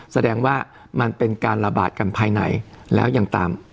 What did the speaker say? แสดงว่ามันเป็นการระบาดกันภายในแล้วยังตาม